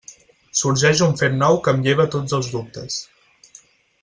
Sorgeix un fet nou que em lleva tots els dubtes.